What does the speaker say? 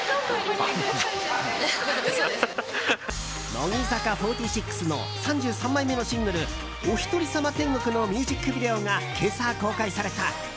乃木坂４６の３３枚目のシングル「おひとりさま天国」のミュージックビデオが今朝、公開された。